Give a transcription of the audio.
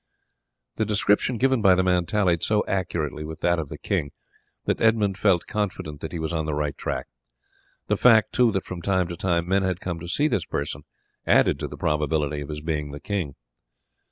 The description given by the man tallied so accurately with that of the king that Edmund felt confident that he was on the right track. The fact, too, that from time to time men had come to see this person added to the probability of his being the king.